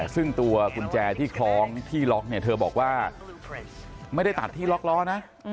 ซึ่งตัวกุญแจที่คล้องที่ล็อกเนี่ยเธอบอกว่าไม่ได้ตัดที่ล็อกล้อนะ